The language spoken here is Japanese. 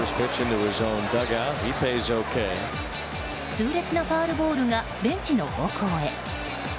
痛烈なファウルボールがベンチの方向へ。